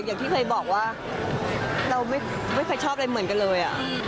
อย่างที่เคยบอกว่าเราไม่เคยชอบอะไรเหมือนกันเลย